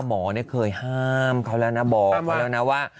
หมอเนี่ยเคยห้ามเขาแล้วน้ะบอก